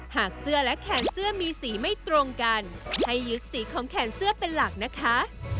หากเสื้อและแขนเสื้อมีสีไม่ตรงกันให้ยึดสีของแขนเสื้อเป็นหลักนะคะ